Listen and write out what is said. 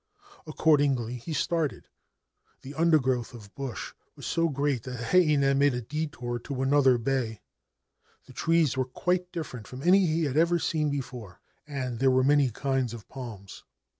Accordingly he started. The undergrowth of bush was so great that Heinei made a detour to another bay. The trees were quite different from any he had ever seen before, and there were many kinds of palms.